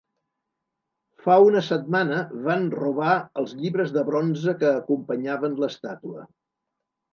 Fa una setmana van robar els llibres de bronze que acompanyaven l’estàtua.